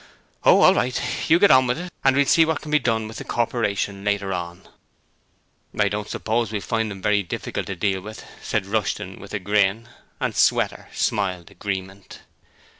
'Oh, all right, you get on with it and we'll see what can be done with the Corporation later on.' 'I don't suppose we'll find 'em very difficult to deal with,' said Rushton with a grin, and Sweater smiled agreement.